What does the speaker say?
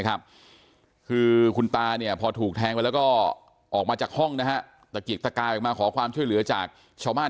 คือคุณตาเนี่ยพอถูกแทงไปแล้วก็ออกมาจากห้องนะฮะตะเกียกตะกายออกมาขอความช่วยเหลือจากชาวบ้าน